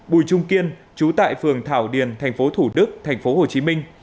bùi trung kiên chú tại phường thảo điền thành phố thủ đức thành phố hồ chí minh